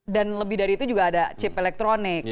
dan lebih dari itu juga ada chip elektronik